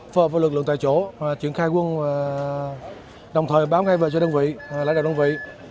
phở với lực lượng tại chỗ chuyển khai quân đồng thời báo ngay về cho đơn vị lãnh đạo đơn vị